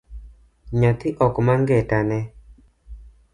Nyathi ok ma ngeta ne